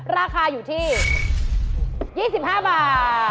ราคาอยู่ที่๒๕บาท